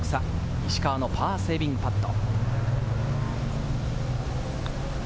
石川のパーセービングパット。